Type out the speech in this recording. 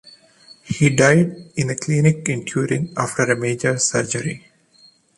He died in a clinic in Turin after a major surgery.